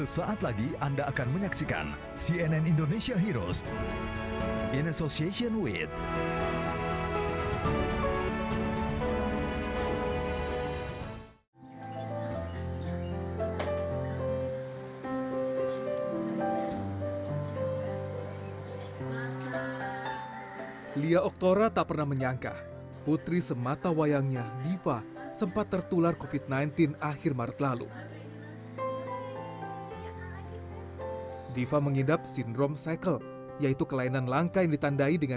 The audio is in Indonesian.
sampai jumpa di video selanjutnya